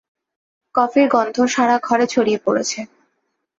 কফির গন্ধ সারা ঘরে ছড়িয়ে পড়েছে।